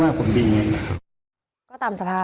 เขาก็ว่าผมดีนะ